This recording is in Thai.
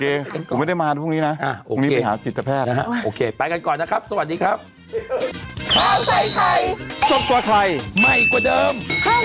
โอเคผมไม่ได้มาพรุ่งนี้นะมีปัญหากิจแพทย์นะฮะโอเคไปกันก่อนนะครับสวัสดีครับพี่เอิ้น